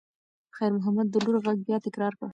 خیر محمد د لور غږ بیا تکرار کړ.